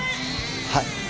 はい。